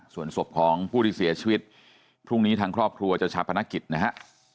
ส่วนศพของผู้ที่เสียชีวิตพรุ่งนี้ทางครอบครัวจะชาปนกิจนะฮะ